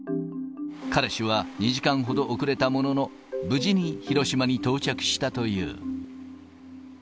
彼氏は２時間ほど遅れたものの、無事に広島に到着したという。